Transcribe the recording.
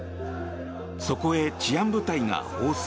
そこへ治安部隊が放水。